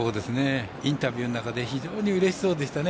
インタビューの中で非常にうれしそうでしたね